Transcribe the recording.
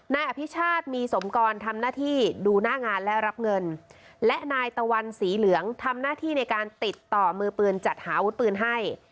นายอภิชาติมีสมกรทำหน้าที่ดูหน้างานและรับเงินและนายตะวันสีเหลืองทำหน้าที่ในการติดต่อมือปืนจัดหาอาวุธปืนให้